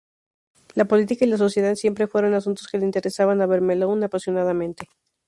La política y la sociedad siempre fueron asuntos que le interesaban a Vermeulen apasionadamente.